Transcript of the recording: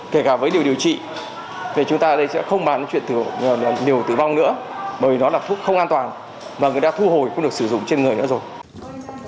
kể cả với liều điều trị chúng ta đây sẽ không bán chuyện liều tử vong nữa bởi nó là thuốc không an toàn và người ta thu hồi cũng được sử dụng trên người nữa rồi